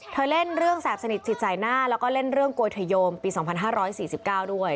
เล่นเรื่องแสบสนิทจิตใจหน้าแล้วก็เล่นเรื่องโกยธโยมปี๒๕๔๙ด้วย